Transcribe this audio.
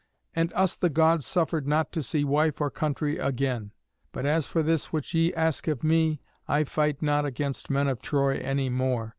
And us the Gods suffered not to see wife or country again. But as for this which ye ask of me, I fight not against men of Troy any more.